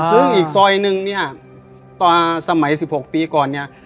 ซึ่งอีกซอยหนึ่งเนี้ยต่อสมัยสิบหกปีก่อนเนี้ย